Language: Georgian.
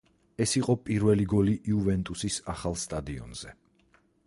ეს იყო პირველი გოლი „იუვენტუსის“ ახალ სტადიონზე.